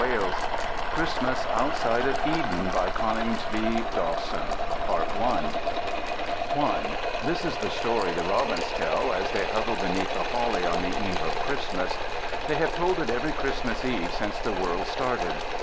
CHRISTMAS OUTSIDE OF EDEN I This is the story the robins tell as they huddle beneath the holly on the Eve of Christmas. They have told it every Christmas Eve since the world started.